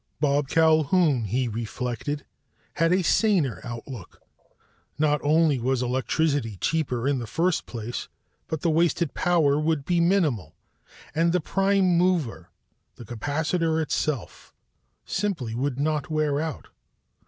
Bob Culquhoun, he reflected, had a saner outlook. Not only was electricity cheaper in the first place, but the wasted power would be minimal and the "prime mover" the capacitor itself simply would not wear out.